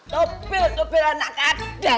topil topil anak adal